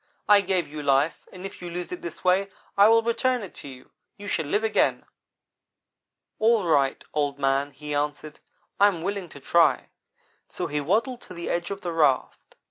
'I gave you life, and if you lose it this way I will return it to you. You shall live again!' "'All right, Old man,' he answered, 'I am willing to try'; so he waddled to the edge of the raft.